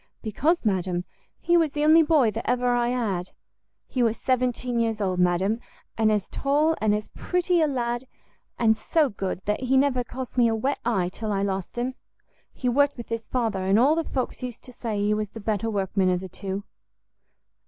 "Because, madam, he was the only boy that ever I had; he was seventeen years old, madam, and as tall and as pretty a lad! and so good, that he never cost me a wet eye till I lost him. He worked with his father, and all the folks used to say he was the better workman of the two."